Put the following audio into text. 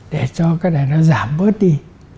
để cho cái này nó giảm bớt đi